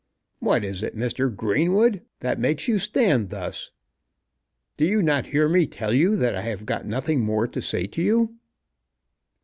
"What is it, Mr. Greenwood, that makes you stand thus? Do you not hear me tell you that I have got nothing more to say to you?"